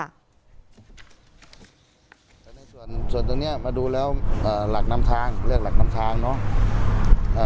แต่ในส่วนตรงนี้มาดูแล้วหลักนำทางเลือกหลักนำทางเนอะ